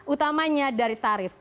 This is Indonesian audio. utamanya dari tarif